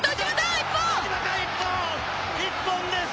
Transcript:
一本です！